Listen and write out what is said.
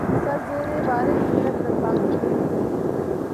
سر زیرِ بارِ منت درباں کیے ہوئے